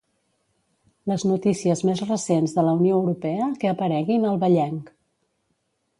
Les notícies més recents de la Unió Europea que apareguin al "Vallenc".